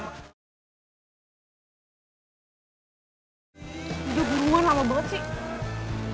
udah buruan lama banget sih